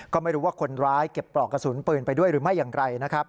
ก็ไม่รู้ว่าคนร้ายเก็บปลอกกระสุนปืนไปด้วยหรือไม่อย่างไรนะครับ